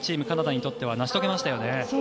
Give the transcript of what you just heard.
カナダにとっては成し遂げましたよね。